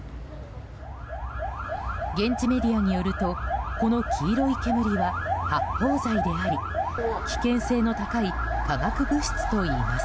現地メディアによるとこの黄色い煙は発泡剤であり危険性の高い化学物質といいます。